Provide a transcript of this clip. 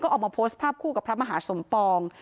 ออกมาโพสต์ภาพคู่กับพระมหาสมปอง